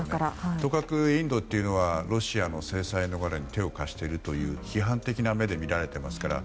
とかく、インドというのはロシアの制裁逃れに手を貸しているという批判的な目で見られていますから。